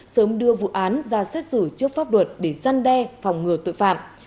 sớm đưa vụ án ra xét xử trước pháp luật để gian đe phòng ngừa tội phạm